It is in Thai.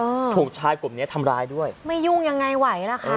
ถูกชายกลุ่มเนี้ยทำร้ายด้วยไม่ยุ่งยังไงไหวล่ะค่ะ